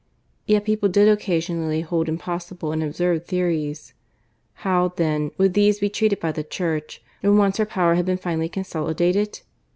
Yet people did occasionally hold impossible and absurd theories. ... How, then, would these be treated by the Church when once her power had been finally consolidated?